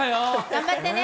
頑張ってね！